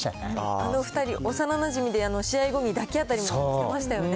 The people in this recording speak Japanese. あの２人、幼なじみで試合後に抱き合ったりもしてましたよね。